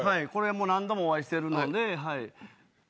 もう何度もお会いしてるので。